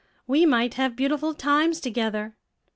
We might have beautiful times together."